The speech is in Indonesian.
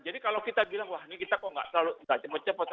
jadi kalau kita bilang wah ini kita kok nggak terlalu cepat cepat